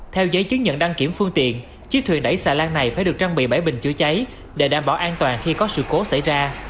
theo giấy chứng nhận đăng kiểm phương tiện chiếc thuyền đẩy xà lan này phải được trang bị bảy bình chữa cháy để đảm bảo an toàn khi có sự cố xảy ra